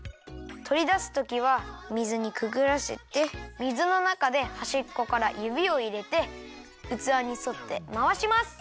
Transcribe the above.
とりだすときは水にくぐらせて水のなかではしっこからゆびをいれてうつわにそってまわします。